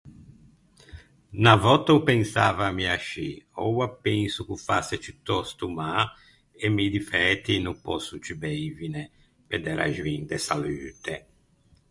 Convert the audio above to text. Unna vòtta ô pensava mi ascì. Oua penso ch’o fasse ciutòsto mâ e mi difæti no pòsso ciù beivine, pe de raxoin de salute.